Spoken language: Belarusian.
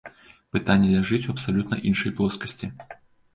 Пытанне ляжыць у абсалютна іншай плоскасці.